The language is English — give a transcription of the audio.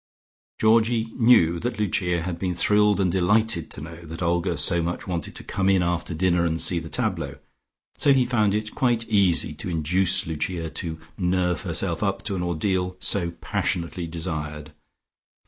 Georgie knew that Lucia had been thrilled and delighted to know that Olga so much wanted to come in after dinner and see the tableaux, so he found it quite easy to induce Lucia to nerve herself up to an ordeal so passionately desired.